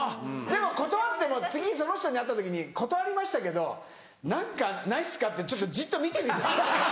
でも断っても次その人に会った時に「断りましたけど何かないっすか？」ってちょっとじっと見てみれば？